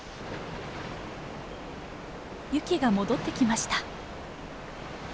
ユキが戻ってきました。